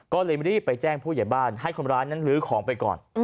ก็เลยรีบไปแจ้งผู้ใหญ่บ้านให้คนร้ายนั้นลื้อของไปก่อน